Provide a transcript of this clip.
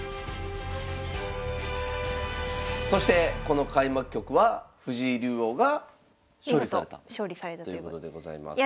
そしてこの開幕局は藤井竜王が勝利されたということでございます。